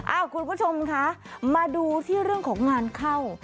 คุณผู้ชมคะมาดูที่เรื่องของงานเข้า